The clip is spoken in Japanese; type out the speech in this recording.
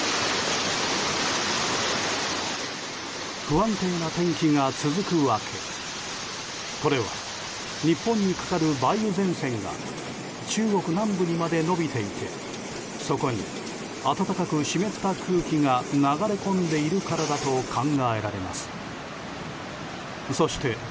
不安定な天気が続く訳はこれは、日本にかかる梅雨前線が中国南部にまで延びていてそこに暖かく湿った空気が流れ込んでいるからと考えられます。